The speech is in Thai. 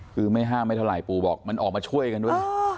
คือไม่ห้ามไม่เท่าไหร่ปู่บอกมันออกมาช่วยกันด้วย